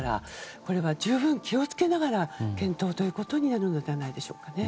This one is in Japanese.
これは十分、気を付けながら検討ということになるのではないでしょうか。